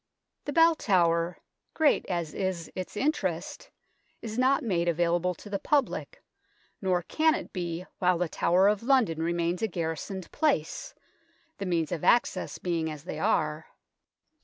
The Bell 72 THE TOWER OF LONDON Tower, great as is its interest, is not made available to the public, nor can it be while the Tower of London remains a garrisoned place, the means of access being as they are.